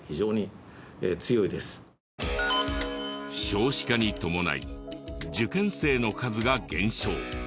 少子化に伴い受験生の数が減少。